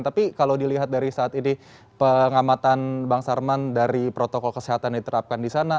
tapi kalau dilihat dari saat ini pengamatan bang sarman dari protokol kesehatan diterapkan di sana